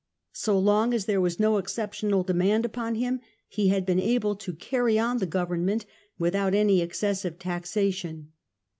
So long as there was no exceptional demand upon him, he had been able to carry on the government without any excessive taxa tion.